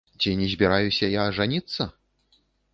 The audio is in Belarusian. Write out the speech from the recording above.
Ці не збіраюся я ажаніцца?